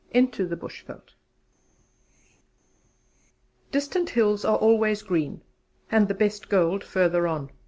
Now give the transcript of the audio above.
INTO THE BUSHVELD "Distant hills are always green," and the best gold further on.